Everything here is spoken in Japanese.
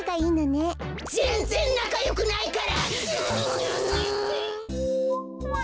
ぜんぜんなかよくないから！